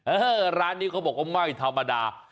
ร้านนี้เขาบอกว่าไม่ธรรมดา